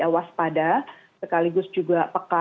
awas pada sekaligus juga peka